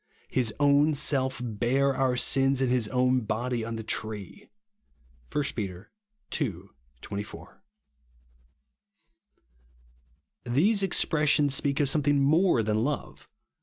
His own self bare our sins in his own body on the tree" (1 Pet. ii. 24). These expressions speak of something more than love.